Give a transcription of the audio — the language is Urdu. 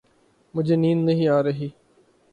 مجھے نیند نہیں آ رہی۔